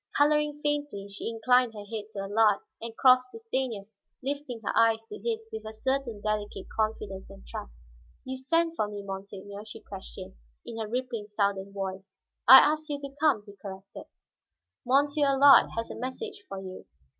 Coloring faintly, she inclined her head to Allard, and crossed to Stanief, lifting her eyes to his with a certain delicate confidence and trust. "You sent for me, monsiegneur?" she questioned, in her rippling southern voice. "I asked you to come," he corrected. "Monsieur Allard has a message for you."